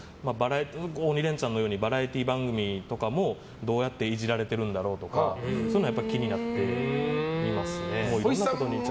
「鬼レンチャン」のようにバラエティー番組とかもどうやってイジられてるんだろうとかそういうのはやっぱり気になって、見ますね。